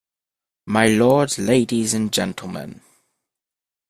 My lords, ladies and gentlemen.